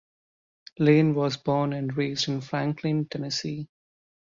Lane was born and raised in Franklin, Tennessee.